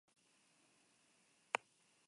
Dantza garaikideko ikuskizuna prestatzen ari da.